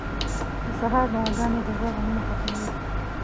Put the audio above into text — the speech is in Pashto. • د سهار دعاګانې د زړه غمونه ختموي.